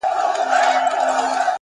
په گلونو کي عجيبه فلسفه ده’